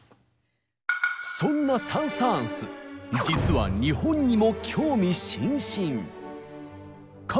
そんなサン・サーンス実は日本にも興味津々。